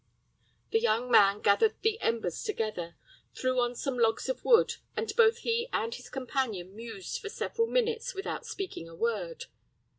The young man gathered the embers together, threw on some logs of wood, and both he and his companion mused for several minutes without speaking a word.